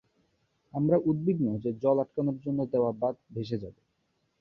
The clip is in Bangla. আমরা উদ্বিগ্ন যে জল আটকানোর জন্য দেওয়া বাঁধ ভেসে যাবে।